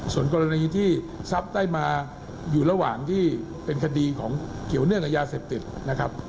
ส่วนกรณีที่ทรัพย์ได้มาอยู่ระหว่างที่เป็นคดีของเกี่ยวเนื่องกับยาเสพติดนะครับ